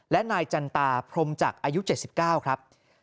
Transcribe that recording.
และนายจันตาพรมจักรอายุ๗๙ครับ